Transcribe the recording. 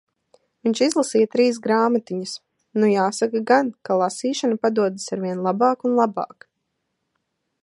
Viņš izlasīja trīs grāmatiņas. Nu jāsaka gan, ka lasīšana padodas arvien labāk un labāk.